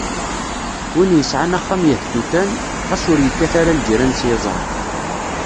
Win yesɛan axxam yehtutan, xas ur yekkat ara lǧiran s yeẓra